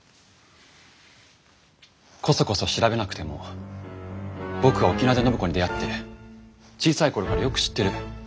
コソコソ調べなくても僕は沖縄で暢子に出会って小さい頃からよく知ってる。